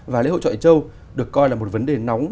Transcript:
và lễ hội trọi châu được coi là một vấn đề nóng